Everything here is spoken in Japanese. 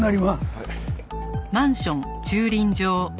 はい。